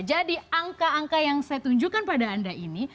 jadi angka angka yang saya tunjukkan pada anda ini